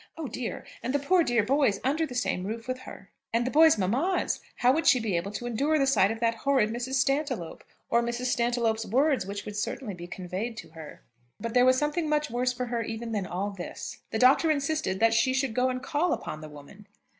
O dear! And the poor dear boys, under the same roof with her! And the boys' mammas! How would she be able to endure the sight of that horrid Mrs. Stantiloup; or Mrs. Stantiloup's words, which would certainly be conveyed to her? But there was something much worse for her even than all this. The Doctor insisted that she should go and call upon the woman!